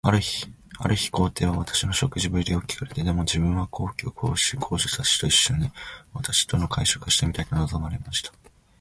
ある日、皇帝は私の食事振りを聞かれて、では自分も皇后、皇子、皇女たちと一しょに、私と会食がしてみたいと望まれました。